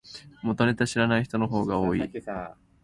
元ネタ知らない人の方が多い